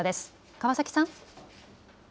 川崎さん。